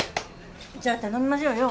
じゃあ頼みましょうよ。